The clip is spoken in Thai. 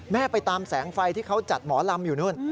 ไปตามแสงไฟที่เขาจัดหมอลำอยู่นู่น